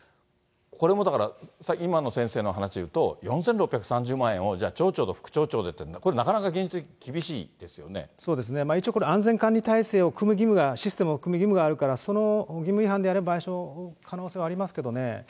これもだから、今の先生の話でいうと、４６３０万円をじゃあ、町長と副町長でっていうのは、これ、なかなか現実的に厳しいですそうですね、一応、安全管理体制をくむ義務は、システムをくむ義務があるから、その義務違反であれば、賠償の可能性はありますけどね。